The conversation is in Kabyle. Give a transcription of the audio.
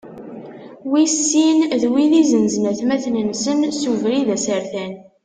Wis sin, d wid izenzen atmaten-nsen s ubrid asertan.